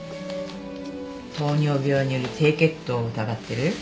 糖尿病による低血糖を疑ってる？